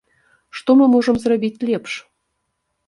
Што мы можам зрабіць лепш?